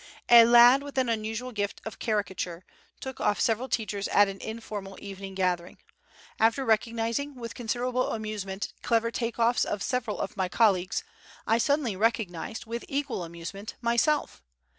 A lad with an unusual gift of caricature, took off several teachers at an informal evening gathering. After recognizing, with considerable amusement, clever take offs of several of my colleagues, I suddenly recognized, with equal amusement, myself!